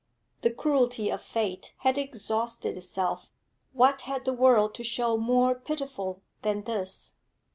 The cruelty of fate had exhausted itself; what had the world to show more pitiful than this?